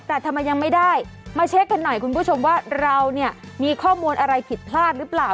แต่ทำไมยังไม่ได้มาเช็คกันหน่อยคุณผู้ชมว่าเราเนี่ยมีข้อมูลอะไรผิดพลาดหรือเปล่า